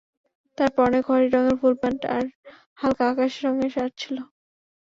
তাঁর পরনে খয়েরি রঙের ফুলপ্যান্ট এবং হালকা আকাশি রঙের শার্ট ছিল।